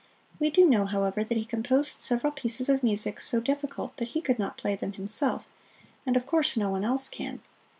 We do know, however, that he composed several pieces of music so difficult that he could not play them himself, and of course no one else can.